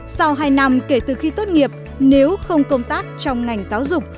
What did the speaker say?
sau hai năm kể từ khi tốt nghiệp nếu không công tác trong ngành giáo dục